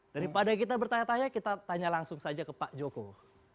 daripada kita bertanya tanya kita tanya langsung saja ke pak jokowi